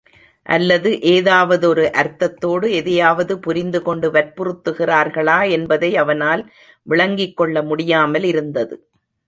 அல்லது ஏதாவதொரு அர்த்தத்தோடு எதையாவது புரிந்துகொண்டு வற்புறுத்துகிறார்களா என்பதை அவனால் விளங்கிக் கொள்ள முடியாமல் இருந்தது.